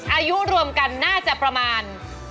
อายุรวมกันน่าจะประมาณ